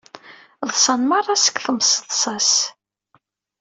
Ḍsan merra seg temseḍsa-s.